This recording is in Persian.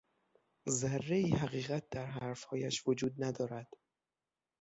ذرهای حقیقت در حرفهایش وجود ندارد.